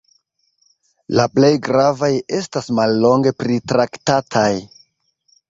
La plej gravaj estas mallonge pritraktataj.